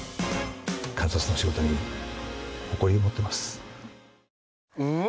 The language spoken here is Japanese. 監察の仕事に誇り持ってます。